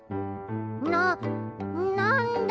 ななんだ！？